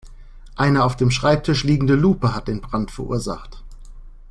Eine auf dem Schreibtisch liegende Lupe hat den Brand verursacht.